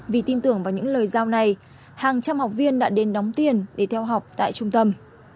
vì tin tưởng vào những lời giao này hàng trăm học viên đã đến đóng tiền để theo học tại trung tâm